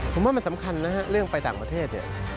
ผมว่ามันสำคัญนะฮะเรื่องไปต่างประเทศเนี่ย